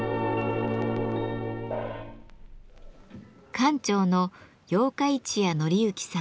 館長の八日市屋典之さん。